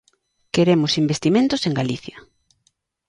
¡Queremos investimentos en Galicia!